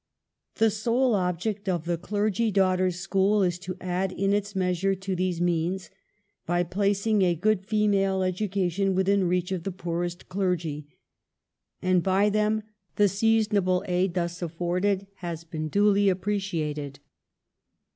COWAN'S BRIDGE. 39 The sole^bject of the Clergy Daughters' School is to add, in its measure, to these means, by placing a good female education within reach of the poorest clergy. And by them the seasonable aid thus afforded has been duly appreciated.